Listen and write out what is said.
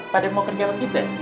pada mau kerja sama kita